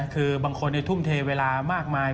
คือบางคนทุ่มเทเวลามากมาย